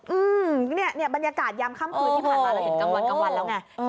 อืมนี่บรรยากาศยามค่ำคืนที่ผ่านมาเห็นกลางวันแล้วไง